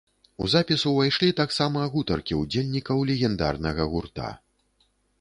У запіс увайшлі таксама гутаркі ўдзельнікаў легендарнага гурта.